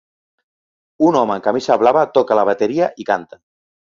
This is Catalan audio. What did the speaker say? Un home amb camisa blava toca la bateria i canta